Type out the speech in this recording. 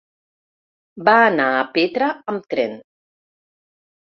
Va anar a Petra amb tren.